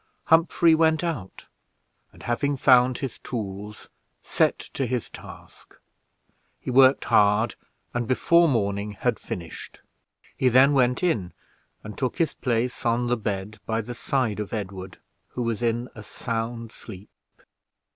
Humphrey went out, and having found his tools, set to his task he worked hard, and, before morning, had finished. He then went in, and took his place on the bed, by the side of Edward, who was in a sound sleep.